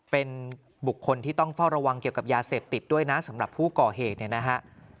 เป็นบุคคลที่ต้องเฝ้าระวังเกี่ยวกับยาเสพติดด้วยนะสำหรับผู้ก่อเหตุเนี่ยนะฮะ